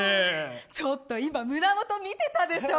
ちょっと今胸元を見てたでしょ。